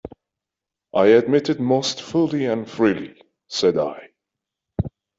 "I admit it most fully and freely," said I.